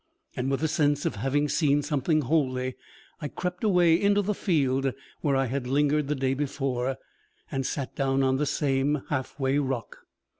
And with the sense of having seen something holy, I crept away up into the field where I had lingered the day before, and sat down on the same halfway rock.